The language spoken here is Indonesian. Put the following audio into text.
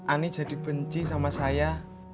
ani jadi benci sama saya